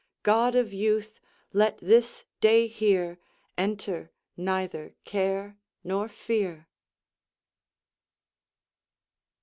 God of youth, let this day here Enter neither care nor fear!